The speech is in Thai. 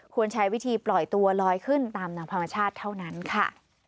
ใช้วิธีปล่อยตัวลอยขึ้นตามทางธรรมชาติเท่านั้นค่ะ